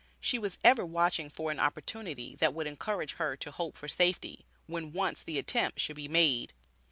She was ever watching for an opportunity, that would encourage her to hope for safety, when once the attempt should be made.